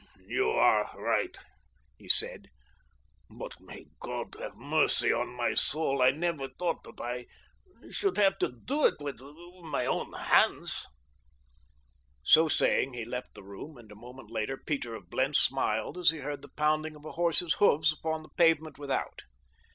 "You are right," he said, "but may God have mercy on my soul. I never thought that I should have to do it with my own hands." So saying he left the room and a moment later Peter of Blentz smiled as he heard the pounding of a horse's hoofs upon the pavement without.